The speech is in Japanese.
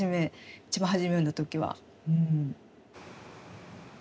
一番初め読んだ時は。